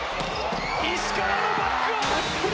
石川のバックアタック。